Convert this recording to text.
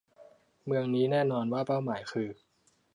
เมืองนี้แน่นอนว่าเป้าหมายคือ